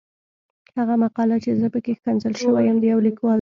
هغه مقاله چې زه پکې ښکنځل شوی یم د يو ليکوال ده.